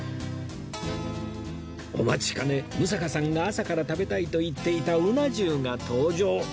お待ちかね六平さんが朝から食べたいと言っていたうな重が登場！